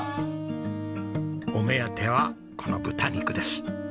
お目当てはこの豚肉です。